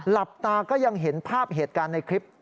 หลับตาก็ยังเห็นภาพเหตุการณ์ในคลิป